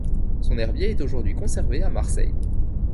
Son herbier est aujourd’hui conservé à Marseille.